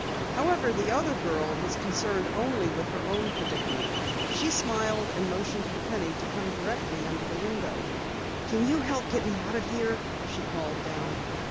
However, the other girl was only concerned with her own predicament. She smiled and motioned for Penny to come directly under the window. "Can you help me get out of here?" she called down.